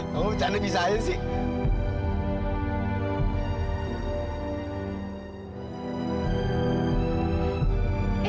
kamu rencana bisa aja sih